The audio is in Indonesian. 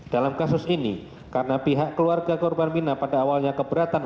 dalam kasus ini karena pihak keluarga korban mirna pada awalnya keberatan